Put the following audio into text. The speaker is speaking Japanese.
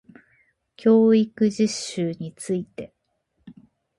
教育実習について